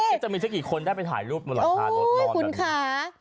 เนี่ยจะมีเชิงเฉียงกี่คนได้ไปถ่ายรูปอู๋คุณค่า